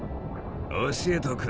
教えとく。